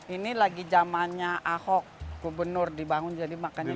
ini lagi zamannya ahok gubernur dibangun jadi makanya